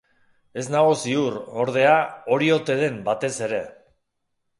Ez nago ziur, ordea, hori ote den batez ere.